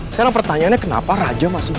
sekarang pertanyaannya kenapa raja masih bisa hidup